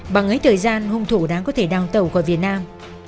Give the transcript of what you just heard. bằng ấy thời gian hùng thủ đã có thể đăng tàu khỏi việt nam